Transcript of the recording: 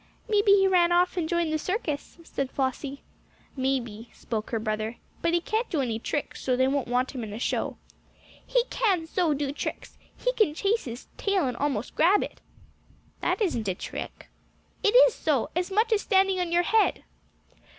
"Maybe he ran off and joined the circus," said Flossie. "Maybe," spoke her brother. "But he can't do any tricks, so they won't want him in a show." "He can so do tricks! He can chase his tail and almost grab it." "That isn't a trick." "It is so as much as standing on your head."